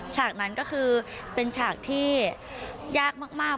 ฉากนั้นก็คือเป็นฉากที่ยากมาก